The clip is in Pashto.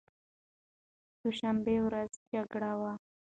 دوشنبې په ورځ جګړه وه.